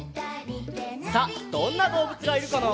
さあどんなどうぶつがいるかな？